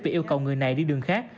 vì yêu cầu người này đi đường khác